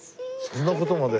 そんな事まで。